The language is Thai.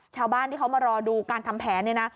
ชาวบ้านที่เขามารอดูการทำแผน